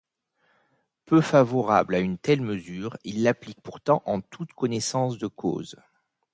Peu favorable à une telle mesure, il l'applique pourtant en toute connaissance de cause.